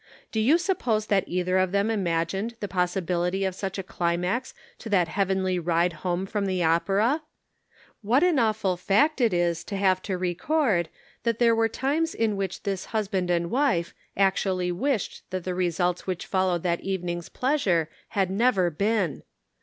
Do you suppose that either of them imagined the pos sibility of such a climax to that heavenly ride home from the opera ? What an awful fact it is to have to record that there were times in which this husband and wife actually wished that the results which followed that evening's Measured in Prose. 421 pleasure had never been.